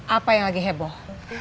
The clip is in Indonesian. apa yang lagi heboh